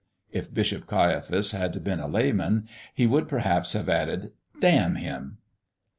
If Bishop Caiaphas had been a layman he would perhaps have added, "Damn him!"